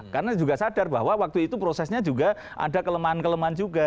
karena juga sadar bahwa waktu itu prosesnya juga ada kelemahan kelemahan juga